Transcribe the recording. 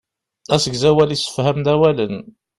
Asegzawal issefham-d awalen.